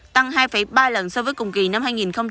tăng hai ba lần so với cùng kỳ năm hai nghìn hai mươi ba